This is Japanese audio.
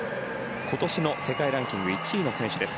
今年の世界ランキング１位の選手です。